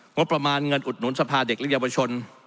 งบประมาณเงินอุดหนุนสภาเด็กและเยาวชน